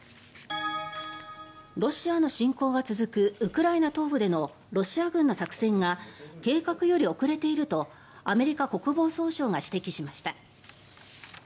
ロシアの侵攻が続くウクライナ東部でのロシア軍の作戦が計画より遅れているとアメリカ国防総省が指摘しました。